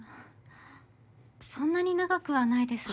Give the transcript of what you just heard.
そんなに長くはないですが。